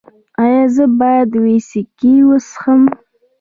ایا زه باید ویسکي وڅښم؟